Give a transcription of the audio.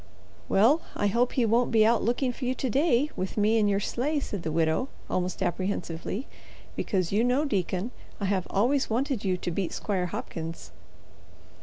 "Well, I hope he won't be out looking for you to day, with me in your sleigh," said the widow, almost apprehensively, "because, you know, deacon, I have always wanted you to beat Squire Hopkins."